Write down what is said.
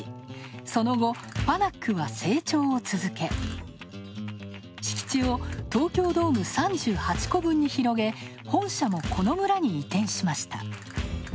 その後、ファナックは成長を続け敷地を東京ドーム３８個分に広げ本社も、この村に移転しました。